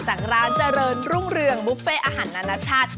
จากร้านเจริญรุ่งเรืองบุฟเฟ่อาหารนานาชาติ